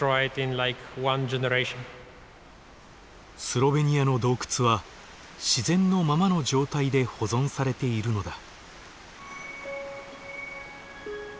スロベニアの洞窟は自然のままの状態で保存されているのだ。